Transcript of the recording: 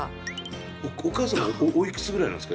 お母様はおいくつぐらいなんですか？